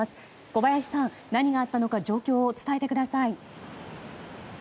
小林さん何があったのか状況を伝えてください。